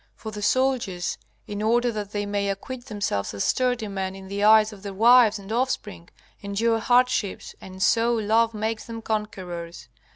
For the soldiers, in order that they may acquit themselves as sturdy men in the eyes of their wives and offspring, endure hardships, and so love makes them conquerors.